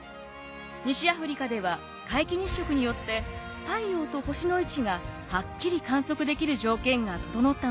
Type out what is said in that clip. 西アフリカでは皆既日食によって太陽と星の位置がはっきり観測できる条件が整ったのです。